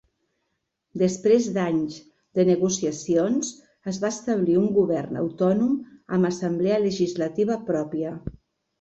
Després d'anys de negociacions es va establir un govern autònom amb assemblea legislativa pròpia.